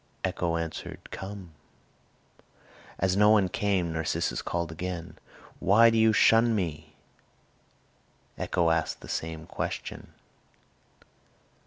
Echo answered, "Come." As no one came, Narcissus called again, "Why do you shun me?" Echo asked the same question.